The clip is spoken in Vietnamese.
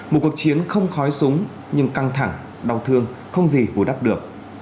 một cuộc chiến không khói súng nhưng căng thẳng đau thương không gì bù đắp được